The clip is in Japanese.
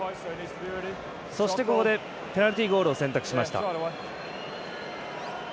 そしてペナルティゴールを選択しました。